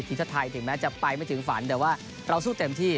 ทีชัดไทยถึงแม้จะไปไม่ถึงฝันเดี๋ยวว่าเราสู้เต็มที่